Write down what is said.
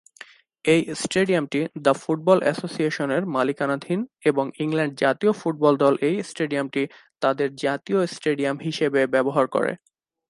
এই স্টেডিয়ামটি the football অ্যাসোসিয়েশনের মালিকানাধীন এবং ইংল্যান্ড জাতীয় ফুটবল দল এই স্টেডিয়ামটি তাদের জাতীয় স্টেডিয়াম হিসেবে ব্যবহার করে।